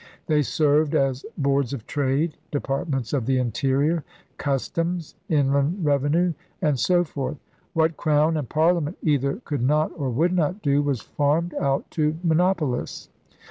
They served as Boards of Trade, Departments of the Interior, Customs, Inland Revenue, and so forth. What Crown and Parliament either could not or would not do was farmed out to monopolists.